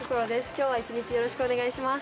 今日は一日よろしくお願いします。